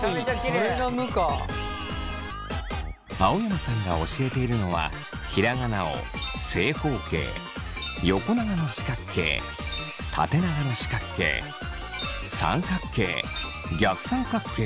青山さんが教えているのはひらがなを正方形横長の四角形縦長の四角形三角形逆三角形